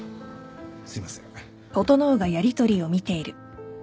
すいません。